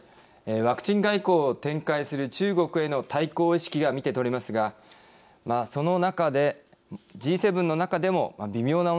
ワクチン外交を展開する中国への対抗意識が見てとれますがその中でＧ７の中でも微妙な温度差があるようです。